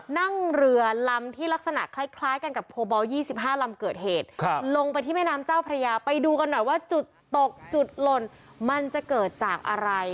นั่งเรือลำที่ลักษณะคล้ายกันกับโคบอล๒๕ลำเกิดเหตุลงไปที่แม่น้ำเจ้าพระยาไปดูกันหน่อยว่าจุดตกจุดหล่นมันจะเกิดจากอะไร